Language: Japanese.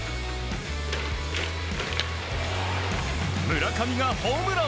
村上がホームラン！